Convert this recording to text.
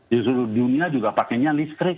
di seluruh dunia juga pakainya listrik